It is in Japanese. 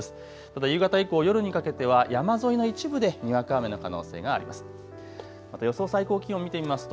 ただ夕方以降、夜にかけては山沿いの一部でにわか雨の可能性があります。